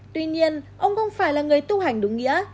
tuy nhiên ông không phải là người tu hành đúng nghĩa